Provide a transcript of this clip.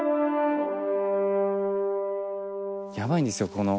やばいんですよこの。